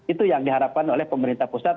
itu yang diharapkan oleh pemerintah pusat